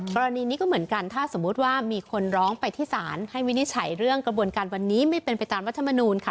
กรณีนี้ก็เหมือนกันถ้าสมมุติว่ามีคนร้องไปที่ศาลให้วินิจฉัยเรื่องกระบวนการวันนี้ไม่เป็นไปตามรัฐมนูลค่ะ